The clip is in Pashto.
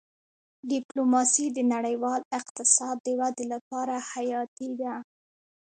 ډيپلوماسي د نړیوال اقتصاد د ودې لپاره حیاتي ده.